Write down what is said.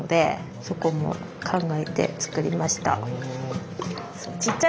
そこも考えて作りました。